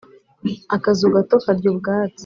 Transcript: Akazu gato karya ubwatsi.